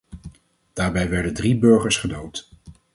Daarbij werden drie burgers gedood.